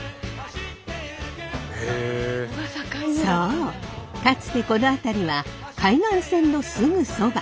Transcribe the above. そうかつてこの辺りは海岸線のすぐそば。